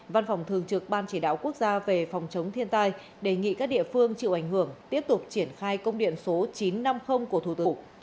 văn phòng thường trực ban chỉ đạo quốc gia về phòng chống thiên tai đề nghị các địa phương chịu ảnh hưởng tiếp tục triển khai công điện số chín trăm năm mươi của thủ tục